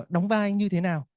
đóng vai như thế nào